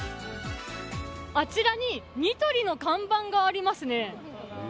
あちらにニトリの看板がありますね。